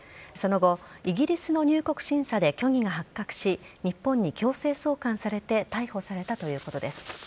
その後、イギリスの入国審査で虚偽が発覚し日本に強制送還されて逮捕されたということです。